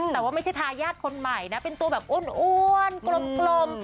แต่ว่าไม่ใช่ทายาทคนใหม่นะเป็นตัวแบบอ้วนกลม